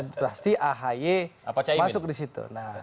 pasti ahy masuk disitu